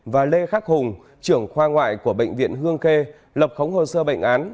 và lê khắc hùng trưởng khoa ngoại của bệnh viện hương khê lập khống hồ sơ bệnh án